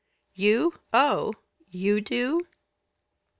"You? Oh! You do?"